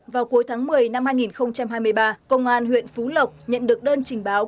vào cuối tháng một mươi năm hai nghìn hai mươi ba công an huyện phú lộc nhận được đơn trình báo